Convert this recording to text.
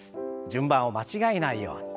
順番を間違えないように。